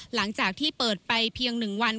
หลังจากที่เปิดไปเพียง๑วัน